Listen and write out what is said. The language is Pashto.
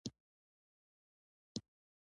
غوماشې تل له خلکو سره شخړه لري.